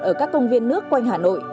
ở các công viên nước quanh hà nội